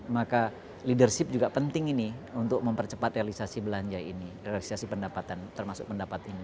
maka leadership juga penting ini untuk mempercepat realisasi belanja ini realisasi pendapatan termasuk pendapat ini